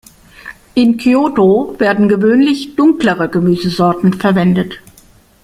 In Kyōto werden gewöhnlich dunklere Gemüsesorten verwendet.